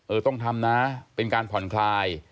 ต้องทำนะเป็นการผ่อนคลาย